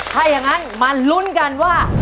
ถ้าอย่างนั้นมาลุ้นกันว่า